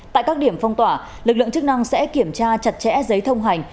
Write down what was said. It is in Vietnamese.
tại các điểm phong tỏa lực lượng chức năng sẽ kiểm tra chặt chẽ giấy thông hành